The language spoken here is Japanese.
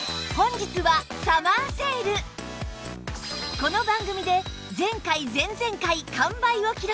この番組で前回前々回完売を記録